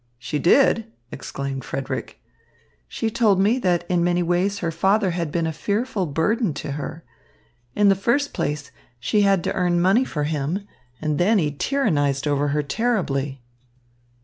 "She did!" exclaimed Frederick. "She told me that in many ways her father had been a fearful burden to her. In the first place, she had to earn money for him, and then he tyrannised over her terribly."